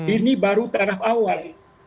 ini baru tahap awal